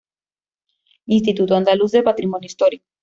Instituto Andaluz del Patrimonio Histórico.